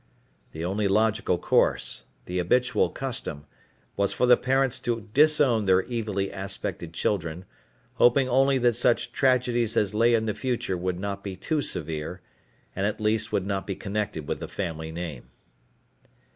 The only logical course, the habitual custom, was for the parents to disown their evilly aspected children, hoping only that such tragedies as lay in the future would not be too severe, and at least would not be connected with the family name.